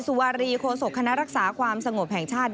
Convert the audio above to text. วารีโคศกคณะรักษาความสงบแห่งชาติ